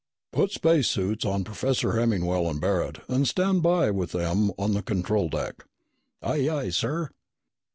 "Put space suits on Professor Hemmingwell and Barret and stand by with them on the control deck." "Aye, aye, sir!"